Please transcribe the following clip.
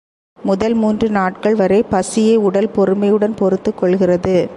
முதல் மூன்று நாட்கள் வரை, பசியை உடல் பொறுமையுடன் பொறுத்துக் கொள்கிறது.